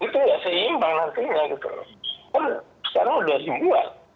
karena sudah dibuat